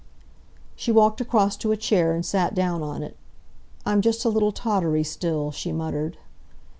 She walked across to a chair and sat down on it. "I'm just a little tottery still," she muttered.